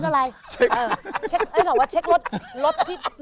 รถที่